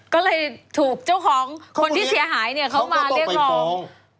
ก็เลยถูกเจ้าของคนที่เสียหายเนี่ยเขามาเรียกร้อง